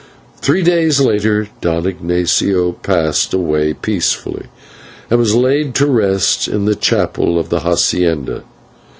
Three days later Don Ignatio passed away peacefully, and was laid to his rest in the chapel of the /hacienda